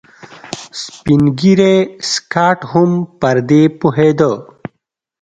سپين ږيری سکاټ هم پر دې پوهېده.